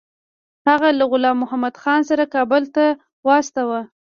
هغه له غلام محمدخان سره کابل ته واستاوه.